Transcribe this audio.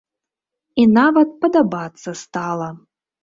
І нават падабацца стала.